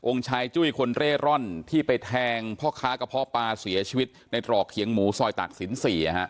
ชายจุ้ยคนเร่ร่อนที่ไปแทงพ่อค้ากระเพาะปลาเสียชีวิตในตรอกเขียงหมูซอยตากศิลป๔